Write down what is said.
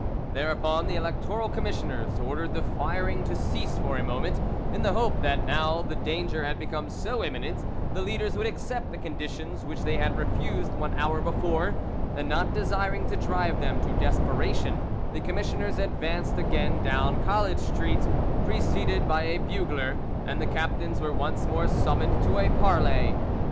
Thereupon the electoral commissioners ordered the firing to cease for a moment, in the hope that now the danger had become so imminent the leaders would accept the conditions which they had refused one hour before; and not desiring to drive them to desperation, the commissioners advanced again down College Street, preceded by a bugler, and the captains were once more summoned to a parley.